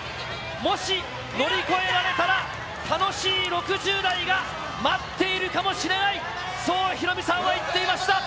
もし乗り越えられたら、楽しい６０代が待っているかもしれない、そうヒロミさんは言っていました。